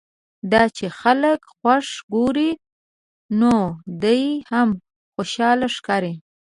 دا چې خلک خوښ ګوري نو دی هم خوشاله ښکاري.